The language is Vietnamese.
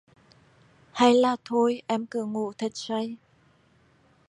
Hay là thôi Em cứ ngủ thật say